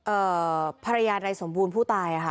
เอ่อภรรยาใดสมบูรณ์ผู้ตายค่ะ